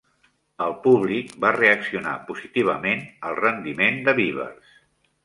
El públic va reaccionar positivament al rendiment de Beavers.